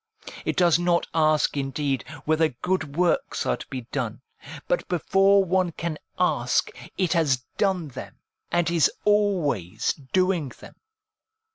It does not ask indeed whether good works are to be done, but before one can ask, it has done them, and is always 336 APPENDIX doing them.